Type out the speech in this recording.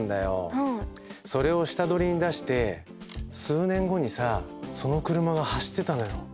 それを下取りに出して数年後にさその車が走ってたのよ。